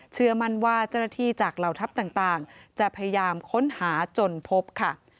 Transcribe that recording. เชื่อมั่นว่าเจ้าหน้าที่จากเหล่าทัพต่างจะพยายามค้นหาจนพบค่ะ